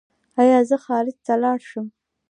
ایا زه خارج ته لاړ شم؟